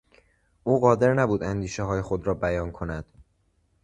او قادر نبود اندیشههای خود را بیان کند.